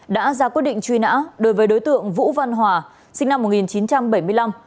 đã ra quyết định truy nã đối với đối tượng vũ văn hòa sinh năm một nghìn chín trăm bảy mươi năm